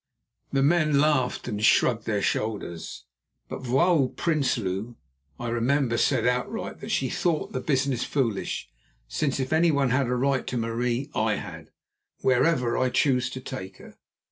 The men laughed and shrugged their shoulders. But Vrouw Prinsloo, I remember, said outright that she thought the business foolish, since if anyone had a right to Marie, I had, wherever I chose to take her.